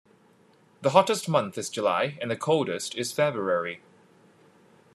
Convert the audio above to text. The hottest month is July and the coldest is February.